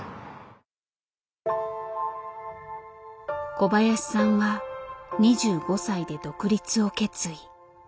小林さんは２５歳で独立を決意。